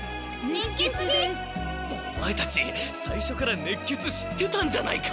オマエたちさいしょから熱血知ってたんじゃないか！